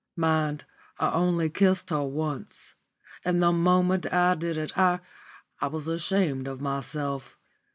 Mind, I only kissed her once. And the moment I did it I I was ashamed of myself.